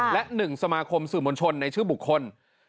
และ๑สมาคมสื่อมวลชนในชื่อบุคคล